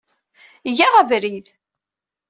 Eg-aɣ abrid.